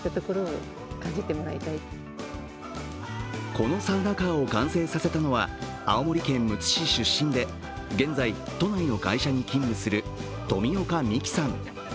このサウナカーを完成させたのは青森県むつ市出身で現在、都内の会社に勤務する冨岡未希さん。